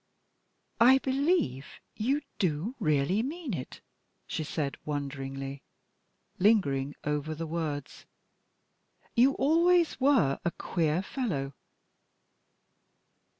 "I believe you do really mean it," she said, wonderingly, lingering over the words; "you always were a queer fellow."